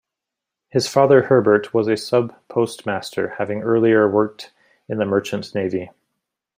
His father Herbert was a sub-postmaster, having earlier worked in the Merchant Navy.